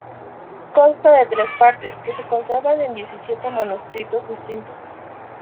Consta de tres partes, que se conservan en diecisiete manuscritos distintos.